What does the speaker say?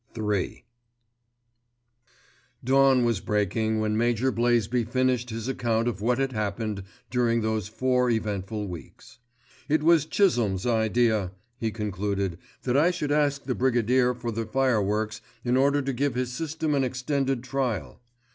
*III* Dawn was breaking when Major Blaisby finished his account of what had happened during those four eventful weeks. "It was Chisholme's idea," he concluded, "that I should ask the Brigadier for the fireworks in order to give his system an extended trial."